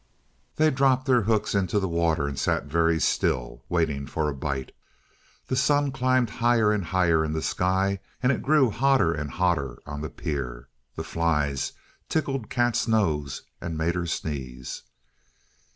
They dropped their hooks into the water and sat very still, waiting for a bite. The sun climbed higher and higher in the sky, and it grew hotter and hotter on the pier. The flies tickled Kat's nose and made her sneeze.